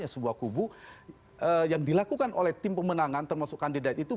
sebuah kubu yang dilakukan oleh tim pemenangan termasuk kandidat itu